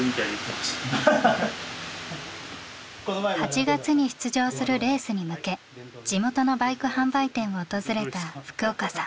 ８月に出場するレースに向け地元のバイク販売店を訪れた福岡さん。